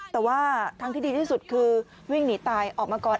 แต่ว่าทางที่ดีที่สุดคือวิ่งหนีตายออกมาก่อน